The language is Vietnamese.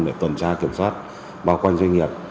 để tuần tra kiểm soát